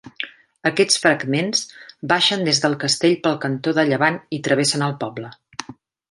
Aquests fragments baixen des del castell pel cantó de llevant i travessen el poble.